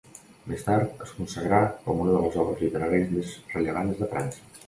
Més tard es consagrà com una de les obres literàries més rellevants de França.